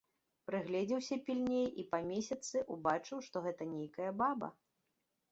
Прыгледзеўся пільней і па месяцы ўбачыў, што гэта нейкая баба.